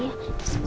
sama itu ada telepon